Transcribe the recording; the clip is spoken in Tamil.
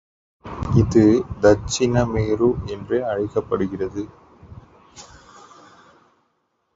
இது தட்சிணமேரு என்றே அழைக்கப்படுகிறது.